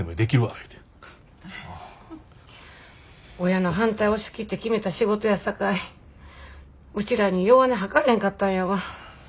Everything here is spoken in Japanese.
親の反対押し切って決めた仕事やさかいうちらに弱音吐かれへんかったんやわ。